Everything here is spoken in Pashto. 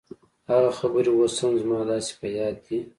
هغه خبرې اوس هم زما داسې په ياد دي.